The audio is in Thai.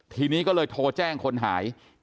ทีนี้ก็เลยโทรแจ้งคนหาย